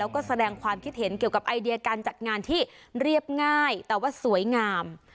แล้วก็แสดงความคิดเห็นเกี่ยวกับไอเดียการจัดงานที่เรียบง่ายแต่ว่าสวยงาม